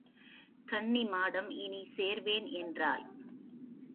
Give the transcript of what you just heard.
கன்னிமாடம் இனிச் சேர்வேன் எனறாள்.